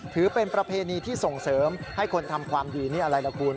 ถือเป็นประเพณีที่ส่งเสริมให้คนทำความดีนี่อะไรล่ะคุณ